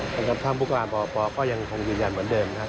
กับท่านพุทธกราบปปก็ยังคงยืนยันเหมือนเดิมนะครับ